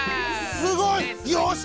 すごい！よし！